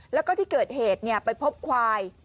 แล้วก็ที่เกิดเหตุไปพบควาย